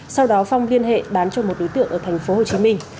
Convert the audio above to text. sau đó phong liên hệ bán cho một đối tượng ở thành phố hồ chí minh